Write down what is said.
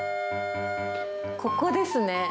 ここですね！